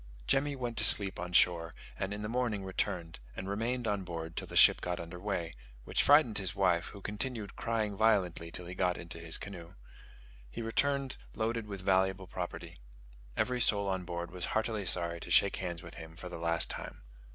Jemmy went to sleep on shore, and in the morning returned, and remained on board till the ship got under way, which frightened his wife, who continued crying violently till he got into his canoe. He returned loaded with valuable property. Every soul on board was heartily sorry to shake hands with him for the last time.